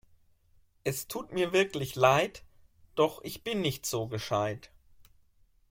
Es tut mir wirklich leid, doch ich bin nicht so gescheit!